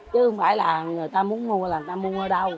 chứ không phải là người ta muốn mua là người ta mua ở đâu